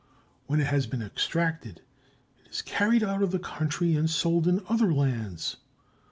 When it has been extracted, it is carried out of the country and sold in other lands.